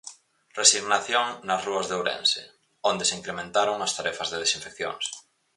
Resignación nas rúas de Ourense, onde se incrementaron as tarefas de desinfeccións.